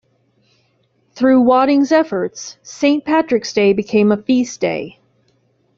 Through Wadding's efforts, Saint Patrick's Day became a feast day.